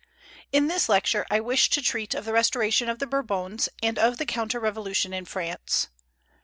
In this lecture I wish to treat of the restoration of the Bourbons, and of the counter revolution in France.